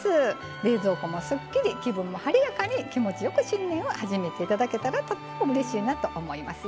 冷蔵庫もすっきり気分も晴れやかに気持ちよく新年を始めていただけたらうれしいなと思いますよ。